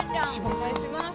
お願いします